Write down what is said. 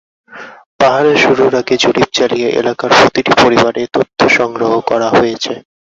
পাহারা শুরুর আগে জরিপ চালিয়ে এলাকার প্রতিটি পরিবারে তথ্য সংগ্রহ করা হয়েছে।